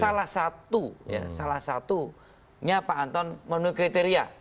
salah satu ya salah satunya pak anton memenuhi kriteria